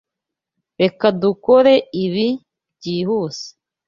Reka dukore ibi byihuse.